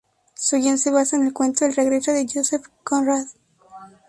Su guion se basa en el cuento "El regreso" de Joseph Conrad.